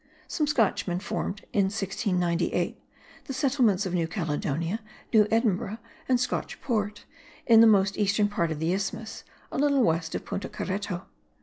Some Scotchmen formed in 1698 the settlements of New Caledonia, New Edinburgh and Scotch Port, in the most eastern part of the isthmus, a little west of Punta Carreto.